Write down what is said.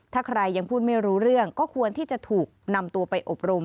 ถ้าใครยังพูดไม่รู้เรื่องก็ควรที่จะถูกนำตัวไปอบรม